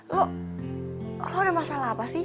lo ada masalah apa sih